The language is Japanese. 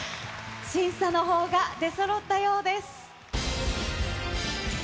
審査のほうが出そろったようです。